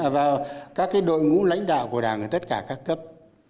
vào các đội ngũ lãnh đạo của đảng ở tất cả các cấp